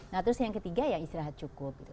nah terus yang ketiga ya istirahat cukup gitu